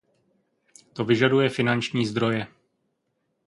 To vyžaduje finanční zdroje.